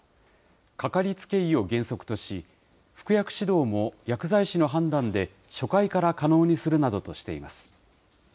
掛かりつけ医を原則とし、服薬指導も薬剤師の判断で初回から可能にするなどとしています。